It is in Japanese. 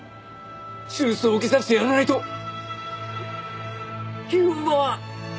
手術を受けさせてやらないと優馬は。